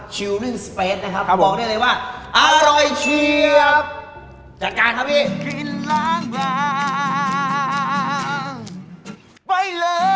ครับผมบอกได้เลยว่าอร่อยเชียบจัดการครับพี่